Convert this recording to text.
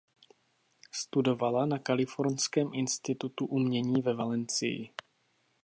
Studovala na Kalifornském Institutu Umění ve Valencii.